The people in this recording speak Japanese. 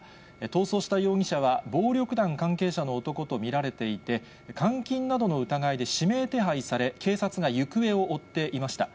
逃走した容疑者は、暴力団関係者の男と見られていて、監禁などの疑いで指名手配され、警察が行方を追っていました。